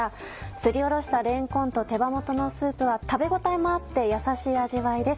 すりおろしたれんこんと手羽元のスープは食べ応えもあってやさしい味わいです。